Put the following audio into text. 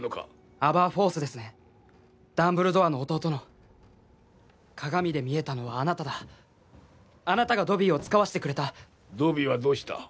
アバーフォースですねダンブルドアの弟の鏡で見えたのはあなただあなたがドビーをつかわしてくれたドビーはどうした？